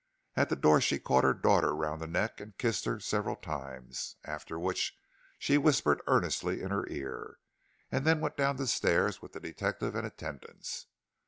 At the door she caught her daughter round the neck and kissed her several times, after which she whispered earnestly in her ear, and then went down the stairs with the detective in attendance.